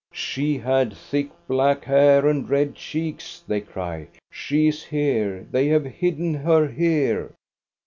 " She had thick black hair and red cheeks !" they cry. " She is here ! They have hidden her here